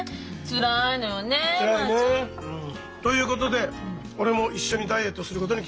つらいねえ。ということで俺も一緒にダイエットすることに決めました。